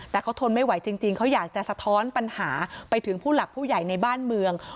แต่เขาทนไม่ไหวจริงเขาอยากจะสะท้อนปัญหาไปถึงผู้หลักผู้ใหญ่ในบ้านเมือง